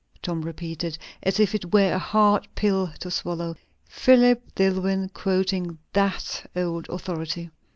Tom repeated, as if it were a hard pill to swallow. "Philip Dillwyn quoting that old authority!"